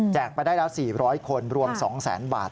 ไปได้แล้ว๔๐๐คนรวม๒๐๐๐๐บาท